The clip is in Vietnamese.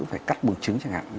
phải cắt buồng trứng chẳng hạn